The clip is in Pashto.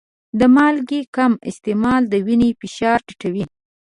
د مالګې کم استعمال د وینې فشار ټیټوي.